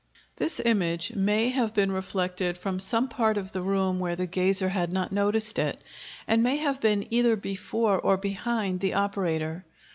This image may have been reflected from some part of the room where the gazer had not noticed it, and may have been either before or behind the operator.